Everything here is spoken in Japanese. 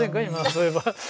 そういえば。